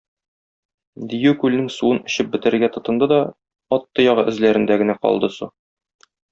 Дию күлнең суын эчеп бетерергә тотынды да, ат тоягы эзләрендә генә калды су.